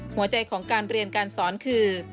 หัวใจของการเรียนการสอนคือ